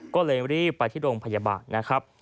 ก็เลยรีบไปที่โรงพยาบาล